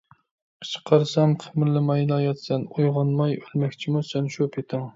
قىچقارسام قىمىرلىمايلا ياتىسەن، ئويغانماي ئۆلمەكچىمۇ سەن شۇ پېتىڭ؟!